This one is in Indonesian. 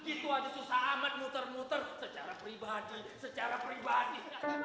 itu suatu susah amat muter muter secara pribadi